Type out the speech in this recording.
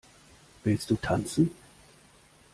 Willst du tanzen?